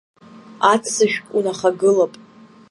Аццышә унахагылап.